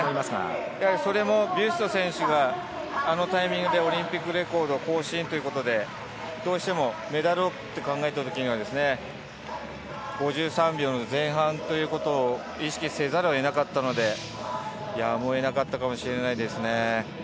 それもビュスト選手があのタイミングでオリンピックレコードを更新ということで、どうしてもメダルを考えたときに、５３秒前半ということを意識せざるを得なかったので、やむを得なかったかもしれないですね。